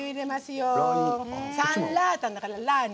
サンラータンだからね、ラーね。